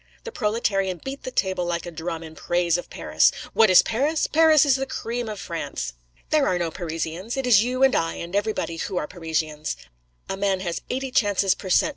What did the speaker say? The proletarian beat the table like a drum in praise of Paris. 'What is Paris? Paris is the cream of France. There are no Parisians: it is you and I and everybody who are Parisians. A man has eighty chances per cent.